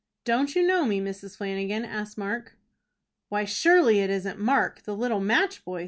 "Don't you know me, Mrs. Flanagan?" asked Mark. "Why, surely it isn't Mark, the little match boy?"